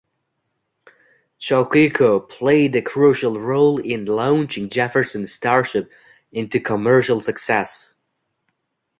Chaquico played a crucial role in launching Jefferson Starship into commercial success.